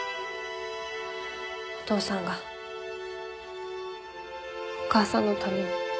お父さんがお母さんのために。